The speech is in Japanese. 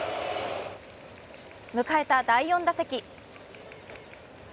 迎えた第４打席。